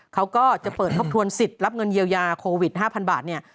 เขาก็จะเปิดทบทวนสิทธิ์รับเงินเยียวยาโควิด๕๐๐บาทเนี่ย